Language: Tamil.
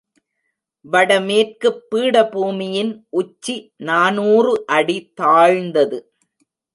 வடமேற்குப் பீடபூமியின் உச்சி நாநூறு அடி தாழ்ந்தது.